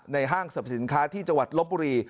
ห้างสรรพสินค้าที่จังหวัดลบบุรี